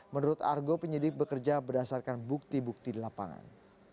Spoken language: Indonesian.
menurut argo penyidik bekerja berdasarkan bukti bukti di lapangan